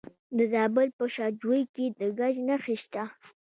د زابل په شاجوی کې د ګچ نښې شته.